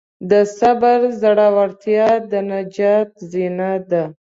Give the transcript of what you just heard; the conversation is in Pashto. د صبر زړورتیا د نجات زینه ده.